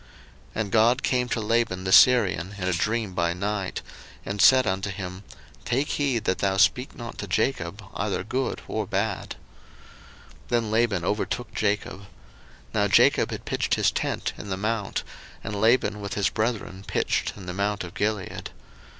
01:031:024 And God came to Laban the Syrian in a dream by night, and said unto him, Take heed that thou speak not to Jacob either good or bad. 01:031:025 Then Laban overtook Jacob. Now Jacob had pitched his tent in the mount: and Laban with his brethren pitched in the mount of Gilead.